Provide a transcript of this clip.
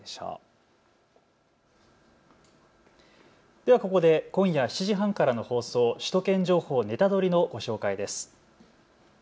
ではここで今夜７時半から放送首都圏情報ネタドリ！のご紹介です。